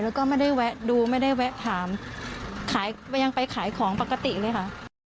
แล้วก็ไม่ได้แวะดูไม่ได้แวะถามขายยังไปขายของปกติเลยค่ะ